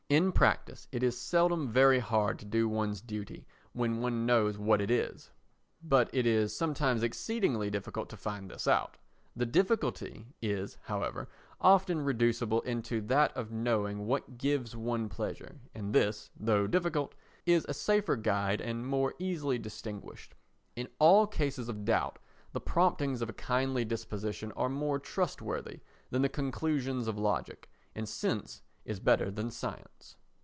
In practice it is seldom very hard to do one's duty when one knows what it is, but it is sometimes exceedingly difficult to find this out. The difficulty is, however, often reducible into that of knowing what gives one pleasure, and this, though difficult, is a safer guide and more easily distinguished. In all cases of doubt, the promptings of a kindly disposition are more trustworthy than the conclusions of logic, and sense is better than science.